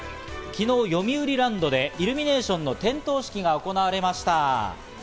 昨日、よみうりランドでイルミネーションの点灯式が行われました。